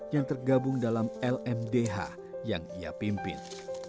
yang tergabung dalam lmdh yang ia pimpin